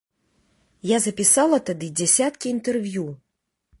Я запісала тады дзясяткі інтэрв'ю.